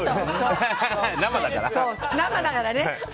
生だから。